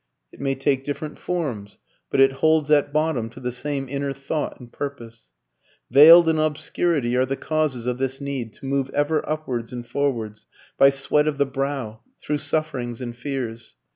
It may take different forms, but it holds at bottom to the same inner thought and purpose. Veiled in obscurity are the causes of this need to move ever upwards and forwards, by sweat of the brow, through sufferings and fears.